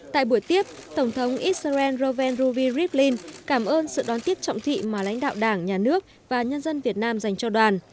tại buổi tiếp tổng thống israel roven rubi rivlin cảm ơn sự đón tiếp trọng thị mà lãnh đạo đảng nhà nước và nhân dân việt nam dành cho đoàn